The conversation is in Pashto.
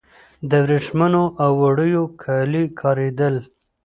د وریښمو او وړیو کالي کاریدل